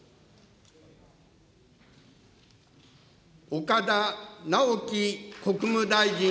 岡田直樹国務大臣。